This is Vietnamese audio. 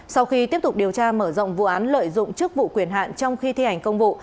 sau khi tiếp tục điều tra mở rộng vụ án lợi dụng chức vụ quyền hạn trong khi thi hành công vụ